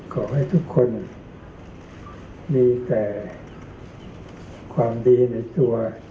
ขอให้ทุกคนมีแต่ความดีในตัว